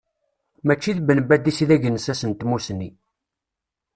Mačči d Ben Badis i d agensas n tmusni.